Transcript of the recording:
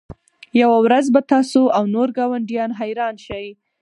یوه ورځ به تاسو او نور ګاونډیان حیران شئ